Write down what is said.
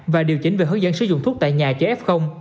và điều chỉnh về hướng dẫn sử dụng thuốc tại nhà cho f